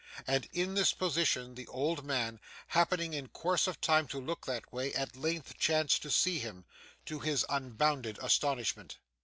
And in this position the old man, happening in course of time to look that way, at length chanced to see him: to his unbounded astonishment.